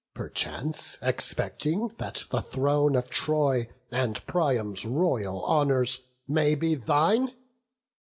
Perchance expecting that the throne of Troy And Priam's royal honours may be thine.